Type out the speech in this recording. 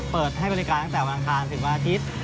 เปิดให้บริการตั้งแต่วันอังคารถึงวันอาทิตย์